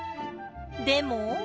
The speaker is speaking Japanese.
でも。